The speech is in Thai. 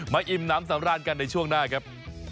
อิ่มน้ำสำราญกันในช่วงหน้าครับ